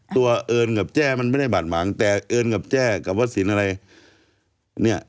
เอิญกับแจ้มันไม่ได้บาดหมางแต่เอิญกับแจ้กับวัดสินอะไรเนี่ย